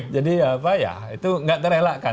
jadi apa ya itu nggak terelakkan